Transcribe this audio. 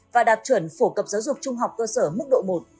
và đạt chuẩn phổ cập giáo dục trung học cơ sở mức độ một